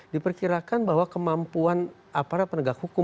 diperkirakan bahwa kemampuan aparat penegak hukum